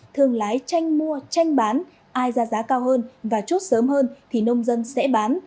thương lái tranh mua tranh bán ai ra giá cao hơn và chốt sớm hơn thì nông dân sẽ bán